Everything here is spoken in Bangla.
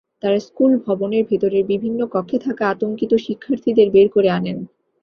তাঁরা স্কুল ভবনের ভেতরের বিভিন্ন কক্ষে থাকা আতঙ্কিত শিক্ষার্থীদের বের করে আনেন।